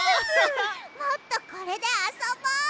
もっとこれであそぼう！